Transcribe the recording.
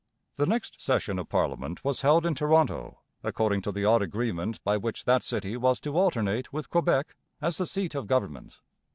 The next session of parliament was held in Toronto, according to the odd agreement by which that city was to alternate with Quebec as the seat of government.